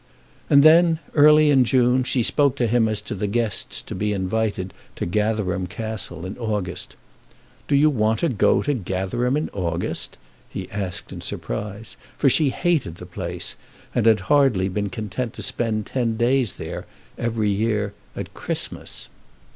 And then, early in June, she spoke to him as to the guests to be invited to Gatherum Castle in August. "Do you want to go to Gatherum in August?" he asked in surprise. For she hated the place, and had hardly been content to spend ten days there every year at Christmas.